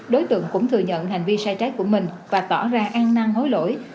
đối tượng cũng thừa nhận hành vi sai trái của mình và tỏ ra ăn năng hối lỗi